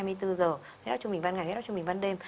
huyết áp trung bình ban ngày huyết áp trung bình ban đêm